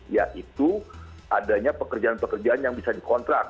yaitu adanya pekerjaan pekerjaan yang bisa dikontrak